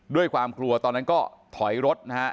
ด้วยความกลัวตอนนั้นก็ถอยรถนะฮะ